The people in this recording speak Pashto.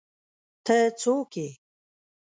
ته څوک ئې؟